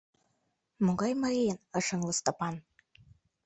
— Могай марийын? — ыш ыҥле Стапан.